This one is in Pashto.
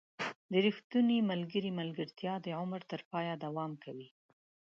• د ریښتوني ملګري ملګرتیا د عمر تر پایه دوام کوي.